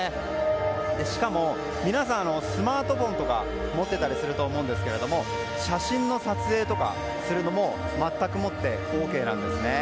しかも、皆さんスマートフォンとか持ってたりすると思うんですが写真の撮影とかするのもＯＫなんですね。